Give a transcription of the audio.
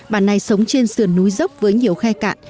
bản này sống trên sườn núi dốc với nhiều khe cạn